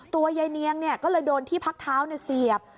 ตัวยายเนียงก็เลยโดนที่พักเท้าเสียบ